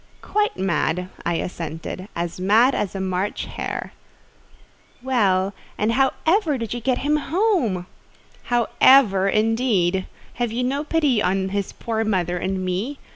"Quite mad," I assented; "as mad as a March hare." "Well, and how ever did you get him home?" "How ever, indeed! Have you no pity on his poor mother and me?